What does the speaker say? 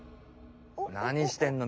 何してんの？